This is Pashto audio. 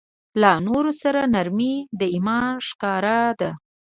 له نورو سره نرمي د ایمان ښکلا ده.